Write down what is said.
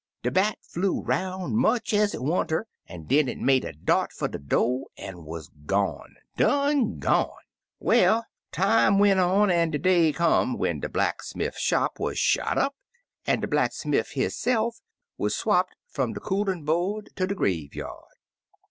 De bat flew'd 'roim' much ez it wanter, an' den it made a dart fer dc do' an' wuz gone — done gone ! "Well, time went on, an' de day come when de blacksmiff shop wuz shot up, an' de blacksmiff hisse'f wuz swopped fum de coolin' board ter de graveyard."